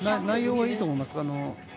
内容はいいと思います。